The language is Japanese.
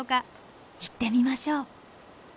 行ってみましょう。